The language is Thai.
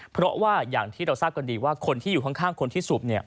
เพราะว่าอย่างที่เราทราบกันดีว่าคนที่อยู่ข้างคนที่สูบ